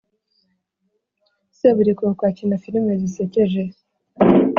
Seburikoko akina filime zisekej